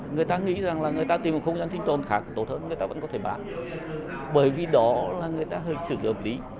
người ta nghĩ rằng là người ta tìm một không gian sinh tồn khác tốt hơn người ta vẫn có thể bán bởi vì đó là người ta hình xử hợp lý